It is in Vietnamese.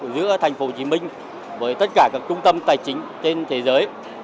giữa tp hcm với tất cả các trung tâm tài chính trên thế giới